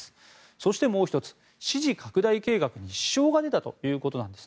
そしてもう１つ、支持拡大計画に支障が出たということなんです。